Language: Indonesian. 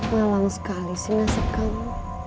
malang sekali sih nasib kamu